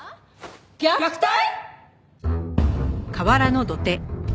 虐待！？